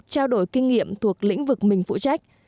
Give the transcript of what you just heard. trao đổi kinh nghiệm thuộc lĩnh vực mình phụ trách